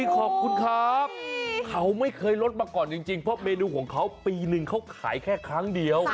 ขอบคุณครับเขาไม่เคยลดมาก่อนจริงเพราะเมนูของเขาปีนึงเขาขายแค่ครั้งเดียว